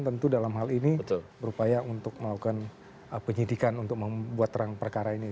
jadi dalam hal ini berupaya untuk melakukan penyidikan untuk membuat terang perkara ini